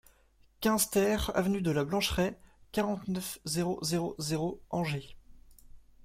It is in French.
quinze TER aVENUE DE LA BLANCHERAIE, quarante-neuf, zéro zéro zéro, Angers